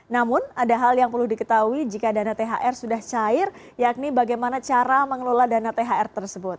namun ada hal yang perlu diketahui jika dana thr sudah cair yakni bagaimana cara mengelola dana thr tersebut